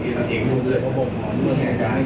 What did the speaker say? เพราะฉะนั้นเองพูดด้วยเพราะผมขอมูลให้อาจารย์